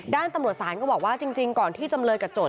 ด้านตำรวจศาลก็บอกว่าจริงก่อนที่จำเลยกับโจท